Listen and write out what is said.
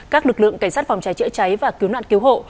các lực lượng cảnh sát phòng cháy chữa cháy và cứu nạn cứu hộ